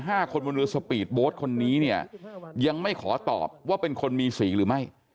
ห้าคนบนเรือสปีดโบ๊ทคนนี้เนี่ยยังไม่ขอตอบว่าเป็นคนมีสีหรือไม่